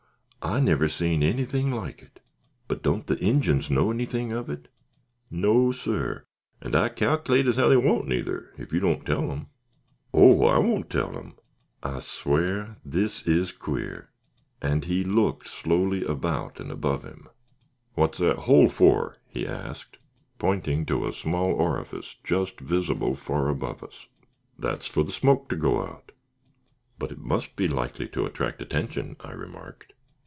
I never seen anything like it. But don't the Injins know anything of it?" "No, sir; and I cac'late as how they won't neyther, ef you don't tell 'em." "Oh! I won't tell them. I swow this is queer," and he looked slowly about and above him. "What's that hole for?" he asked, pointing to a small orifice just visible far above us. "That's fur the smoke to go out." "But it must be likely to attract attention," I remarked.